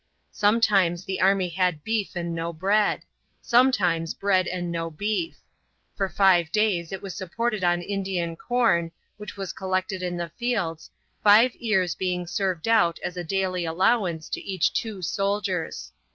Sometimes the army had beef and no bread, sometimes bread and no beef. For five days it was supported on Indian corn, which was collected in the fields, five ears being served out as a daily allowance to each two soldiers.